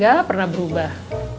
gak pernah berubah